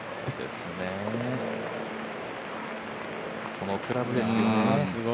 このクラブですよね。